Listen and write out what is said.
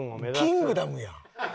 『キングダム』やん。